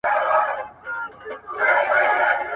په «مر، لوبان عود عطرو او خوږ بوی» لرونکو اوبو